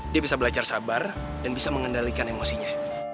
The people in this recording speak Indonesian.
dia bisa belajar sabar dan bisa mengendalikan emosinya